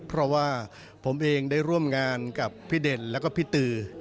เพราะว่าผมเองได้ร่วมงานกับพศ๒๕๓๔และพศ๒๕๔๗